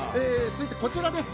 続いてこちらです。